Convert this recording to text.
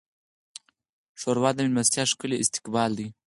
ښوروا د میلمستیا ښکلی استقبال دی.